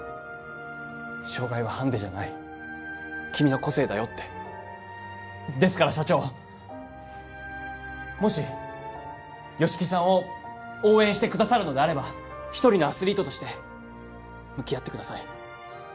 障がいはハンデじゃない君の個性だよってですから社長もし吉木さんを応援してくださるのであれば一人のアスリートとして向き合ってください